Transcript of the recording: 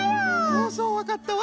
「ああそうわかったわ」。